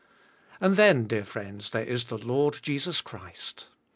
And then, dear friends, there is the Lord Jesus Christ.